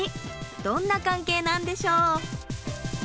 どんな関係なんでしょう？